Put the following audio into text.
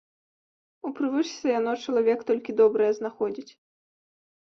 У прывычцы яно чалавек толькі добрае знаходзіць.